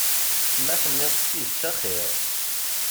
Ma tenniḍ-d tidet axiṛ.